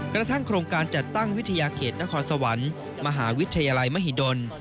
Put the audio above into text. กระทั่งโครงการจัดตั้งวิทยาเขตนครสวรรค์มหาวิทยาลัยมหิดล